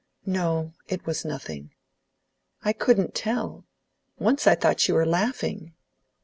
"No; it was nothing." "I couldn't tell. Once I thought you were laughing."